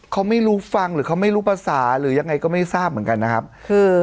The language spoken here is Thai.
เขาไม่รู้ฟังหรือเขาไม่รู้ภาษาหรือยังไงก็ไม่ทราบเหมือนกันนะครับคือ